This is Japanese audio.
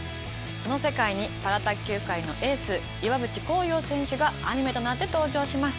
その世界にパラ卓球界のエース岩渕幸洋選手がアニメとなって登場します。